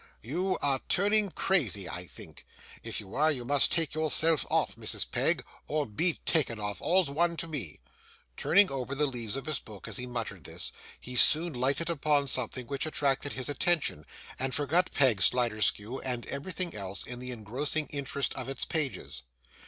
You are turning crazy, I think. If you are, you must take yourself off, Mrs. Peg or be taken off. All's one to me.' Turning over the leaves of his book as he muttered this, he soon lighted upon something which attracted his attention, and forgot Peg Sliderskew and everything else in the engrossing interest of its pages.